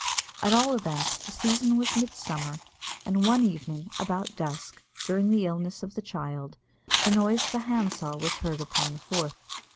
At all events, the season was mid summer; and one evening about dusk, during the illness of the child, the noise of a hand saw was heard upon the Forth.